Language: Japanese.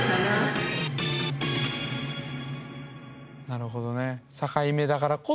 なるほどね。